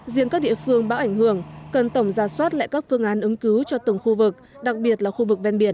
riêng các địa phương bão ảnh hưởng cần tổng ra soát lại các phương án ứng cứu cho từng khu vực đặc biệt là khu vực ven biển